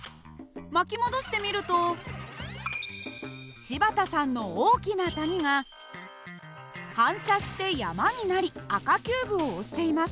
巻き戻してみると柴田さんの大きな谷が反射して山になり赤キューブを押しています。